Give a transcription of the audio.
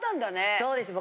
そうです僕。